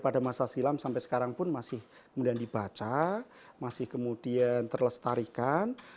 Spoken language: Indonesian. pada masa silam sampai sekarang pun masih kemudian dibaca masih kemudian terlestarikan